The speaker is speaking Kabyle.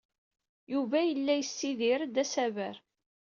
Yuba yella yessidir-d asaber.